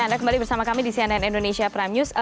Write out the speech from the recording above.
anda kembali bersama kami di cnn indonesia prime news